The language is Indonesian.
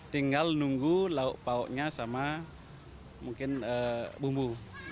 tinggal nunggu lauk pauknya sama mungkin bumbu